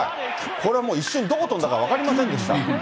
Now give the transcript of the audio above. これはもう一瞬、どこに飛んだか分かりませんでした。